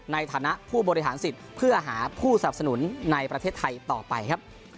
ในฐานะผู้บริหารสิทธิ์เพื่อหาผู้สนับสนุนในประเทศไทยต่อไปครับ